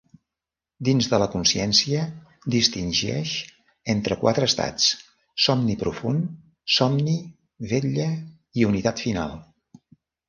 Dins de la consciència, distingeix entre quatre estats: somni profund, somni, vetlla i unitat final.